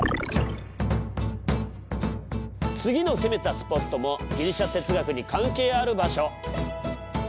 次の攻めたスポットもギリシャ哲学に関係ある場所。